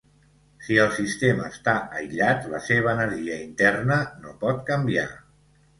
Si el sistema està aïllat, la seva energia interna no pot canviar.